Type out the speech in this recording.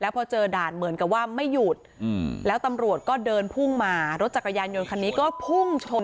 พอเจอด่านเหมือนกับว่าไม่หยุดแล้วตำรวจก็เดินพุ่งมารถจักรยานยนต์คันนี้ก็พุ่งชน